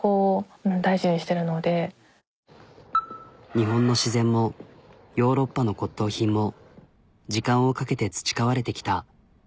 日本の自然もヨーロッパの骨とう品も時間をかけて培われてきた。